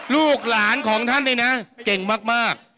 ลูกหลานของท่านเนี่ยนะเก่งมาก